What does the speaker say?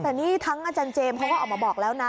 แต่นี่ทั้งอาจารย์เจมส์เขาก็ออกมาบอกแล้วนะ